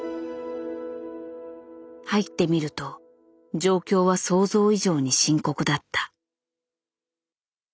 入ってみると状況は想像以上に深刻だった。